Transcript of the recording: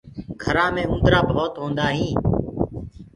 گھرآنٚ مي اُندرآ ڀوت هوجآندآ هينٚ